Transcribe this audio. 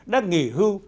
đang nghỉ hưu